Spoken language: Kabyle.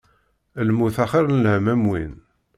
Lmut axir n lhemm am win.